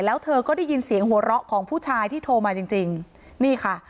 แล้วเธอก็ได้ยินเสียงหัวเราะของผู้ชายที่โทรมาจริงจริงนี่ค่ะ